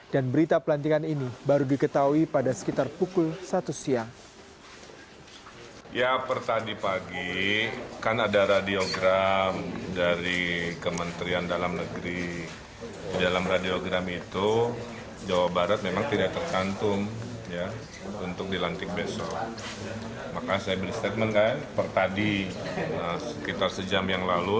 dan berita pelantikan ini baru diketahui pada sekitar pukul satu siang